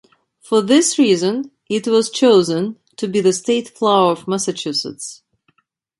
For this reason, it was chosen to be the state flower of Massachusetts.